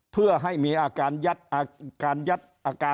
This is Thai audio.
เพื่อให้มีอาการยิ่ง